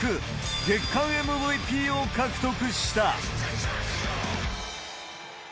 月間ＭＶＰを獲得した。